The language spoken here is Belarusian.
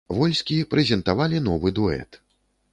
Вольскі прэзентавалі новы дуэт.